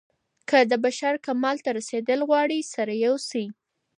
که د بشر کمال ته رسېدل غواړئ سره يو سئ.